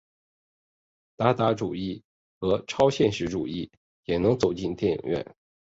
达达主义和超现实主义也能走进电影院。